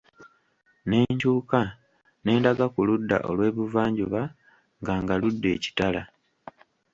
Ne nkyuka, ne ndaga ku ludda olw'ebuvanjuba nga ngaludde ekitala.